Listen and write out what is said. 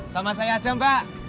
sama saya aja mbak